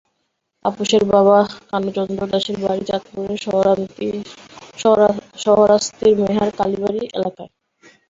তাপসের বাবা কানু চন্দ্র দাসের বাড়ি চাঁদপুরের শাহরাস্তির মেহার কালিবাড়ী এলাকায়।